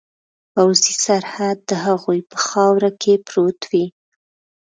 پوځي سرحد د هغوی په خاوره کې پروت وي.